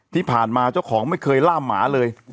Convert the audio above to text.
ที่ผ่านมาเจ้าของไม่เคยล่ามหมาเลย